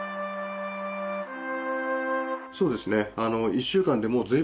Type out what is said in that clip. そうですねあの。